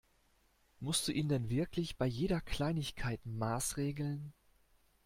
Musst du ihn denn wirklich bei jeder Kleinigkeit maßregeln?